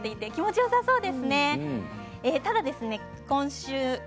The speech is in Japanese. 気持ちよさそうですね。